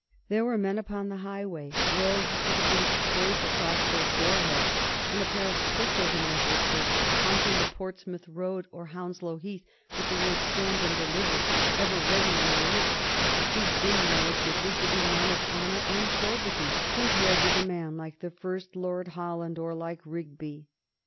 There were men upon the highway, rogues with a bit of crape across their foreheads and a pair of pistols in their holsters, haunting the Portsmouth Road or Hounslow Heath, with the words "Stand and deliver" ever ready on their lips, who seem relatively to be men of honor and probity compared with a man like the first Lord Holland or like Rigby.